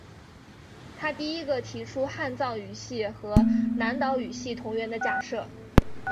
他第一个提出汉藏语系和南岛语系同源的假设。